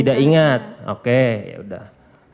anda ingat oke ya sudah